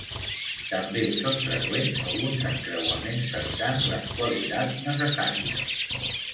També són freqüents alguns encreuaments cercant les qualitats necessàries.